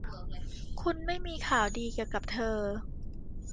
คุณไม่มีข่าวดีเกี่ยวกับเธอ